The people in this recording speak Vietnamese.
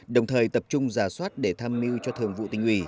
đồng thời tập trung giả soát để tham mưu cho thường vụ tỉnh ủy